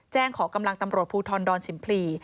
แจ้งขอกำลังตำรวจผู้ทนดอนฉิมพลี